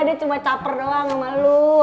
itu cuma caper doang sama lo